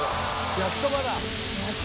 焼きそばだ。